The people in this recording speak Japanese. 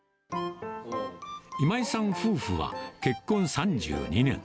今井さん夫婦は、結婚３２年。